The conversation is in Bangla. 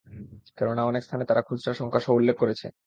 কেননা, অনেক স্থানে তারা খুচরা সংখ্যাসহ উল্লেখ করেছে।